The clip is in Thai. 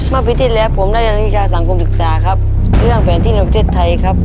เมื่อปีที่แล้วผมได้เรียนวิชาสังคมศึกษาครับเรื่องแผนที่ในประเทศไทยครับ